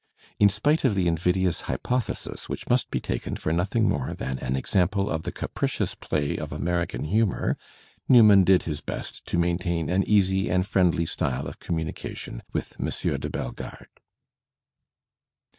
"In spite of the invidious hypothesis, which must be taken for nothing more than an example of the capricious play of * American humour,' Newman did his best to maintain an easy and friendly style of communication with M. de Bellegarde."